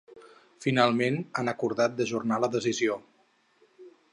Finalment han acordat d’ajornar la decisió.